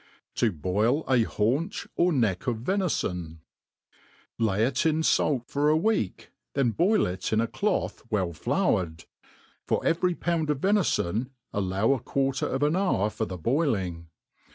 To boil a Haunch or Heck of Ventfon. LAY it in fait for a week, then boij it in a doth well flour ed J for every pound of venifdn allow a quarter of an hour for the boiling.